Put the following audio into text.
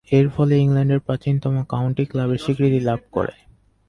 এরফলে ইংল্যান্ডের প্রাচীনতম কাউন্টি ক্লাবের স্বীকৃতি লাভ করে।